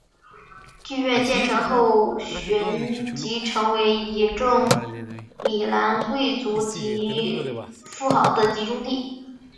剧院建成后旋即成为一众米兰贵族及富豪的集中地。